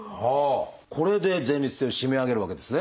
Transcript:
これで前立腺を締め上げるわけですね。